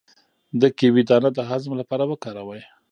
د کیوي دانه د هضم لپاره وکاروئ